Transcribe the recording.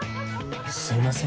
すいません